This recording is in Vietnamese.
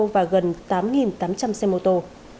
và gần tám tám trăm linh xe ô tô